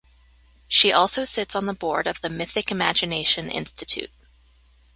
She also sits on the board of the Mythic Imagination Institute.